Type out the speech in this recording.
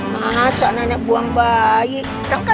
pay is thai m jadi jangan konservasi danto ada yang nggak ng nova